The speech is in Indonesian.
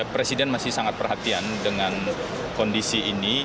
presiden masih sangat perhatian dengan kondisi ini